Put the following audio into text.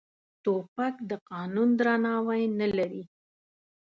توپک د قانون درناوی نه لري.